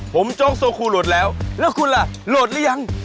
ผมจ้องโซครูโหลดแล้วแล้วคุณล่ะโหลดแล้วยัง